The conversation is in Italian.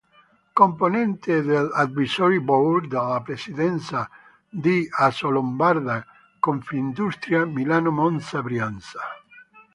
Componente dell’Advisory Board della presidenza di Assolombarda-Confindustria Milano Monza Brianza.